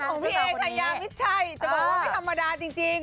ของพี่เอชายามิดชัยจะบอกว่าไม่ธรรมดาจริง